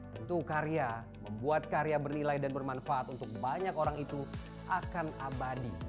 tentu karya membuat karya bernilai dan bermanfaat untuk banyak orang itu akan abadi